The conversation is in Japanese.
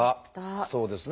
そうですね